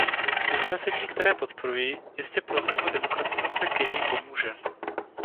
Usnesení, které podporuji, jistě procesu demokratizace Keni pomůže.